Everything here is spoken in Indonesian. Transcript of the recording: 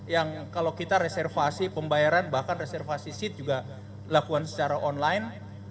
yang kalau kita reservasi pembayaran bahkan reservasi seat juga lakukan secara online